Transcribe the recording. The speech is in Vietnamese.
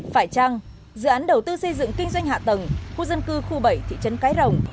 phải chăng dự án đầu tư xây dựng kinh doanh hạ tầng khu dân cư khu bảy thị trấn cái rồng